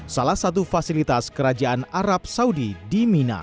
salah satu fasilitas kerajaan arab saudi di mina